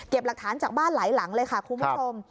หลักฐานจากบ้านหลายหลังเลยค่ะคุณผู้ชม